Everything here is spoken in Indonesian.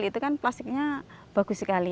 itu kan plastiknya bagus sekali